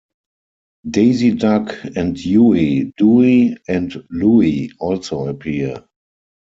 Daisy Duck and Huey, Dewey, and Louie also appear.